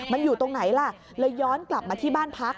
มันอยู่ตรงไหนล่ะเลยย้อนกลับมาที่บ้านพัก